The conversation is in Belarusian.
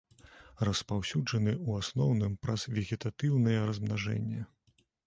Распаўсюджаны ў асноўным праз вегетатыўнае размнажэнне.